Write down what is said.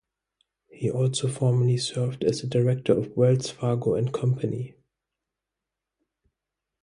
He also formerly served as a director of Wells Fargo and Company.